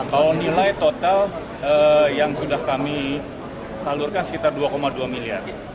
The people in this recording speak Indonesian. kalau nilai total yang sudah kami salurkan sekitar dua dua miliar